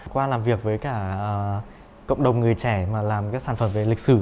qua làm việc với cả cộng đồng người trẻ mà làm các sản phẩm về lịch sử